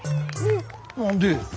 何で？